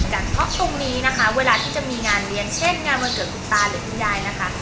เพราะตรงนี้นะคะเวลาที่จะมีงานเลี้ยงเช่นงานวันเกิดคุณตาหรือคุณยายนะคะ